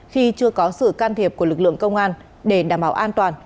khi chưa có sự can thiệp của lực lượng công an để đảm bảo an toàn